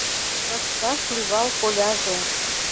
Лышташ лӱвал коляже